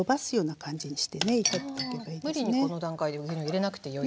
無理にこの段階で牛乳入れなくてよいと。